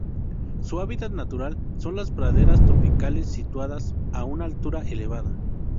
Su hábitat natural son las praderas tropicales situadas a una altura elevada.